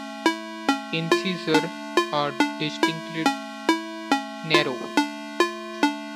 Incisors are distinctly narrow.